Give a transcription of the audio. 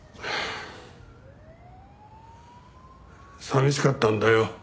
寂しかったんだよ。